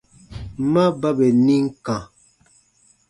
Ma ba bè nim kã.